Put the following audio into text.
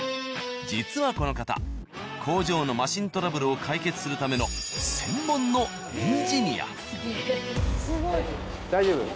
実はこの方工場のマシントラブルを解決するための大丈夫？